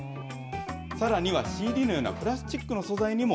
さらには、ＣＤのようなプラスチックの素材にも。